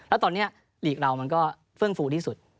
แล้วตอนนี้หลีกเรามันก็เฟื่องฟูที่สุด